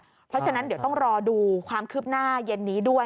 เพราะฉะนั้นเดี๋ยวต้องรอดูความคืบหน้าเย็นนี้ด้วย